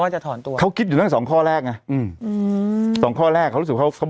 จะถอนตัวเขาคิดอยู่ตั้งสองข้อแรกไงอืมอืมสองข้อแรกเขารู้สึกเขาเขา